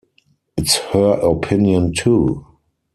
It's her opinion too.